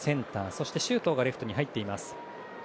そして周東がレフトに入っています。